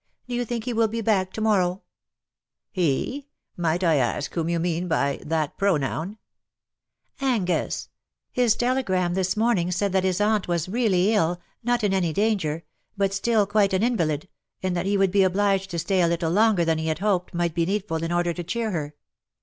Do you think he will be back to morrow T' " He ? Might I ask whom you mean by that pronoun ?"^^ Angus. His telegram this morning said that his aunt was really ill — not in any danger — but still quite an invalid, and that he would be obliged to stay a little longer than he had hoped might be needful, in order to cheer her.